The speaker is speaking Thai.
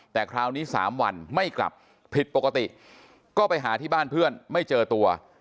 แต่คราวนี้๓วันไม่กลับผิดปกติก็ไปหาที่บ้านเพื่อนไม่เจอตัว